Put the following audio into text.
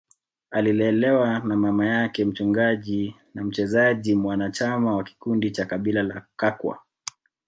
Alilelewa na mama yake mchungaji na mchezaji mwanachama wa kikundi cha kabila la Kakwa